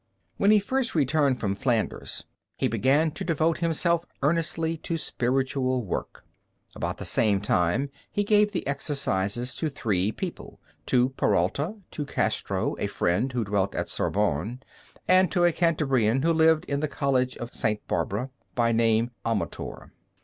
When he first returned from Flanders he began to devote himself earnestly to spiritual work. About the same time he gave the Exercises to three persons, to Peralta, to Castro, a friend who dwelt at Sorbonne, and to a Cantabrian who lived in the College of St. Barbara, by name Amator.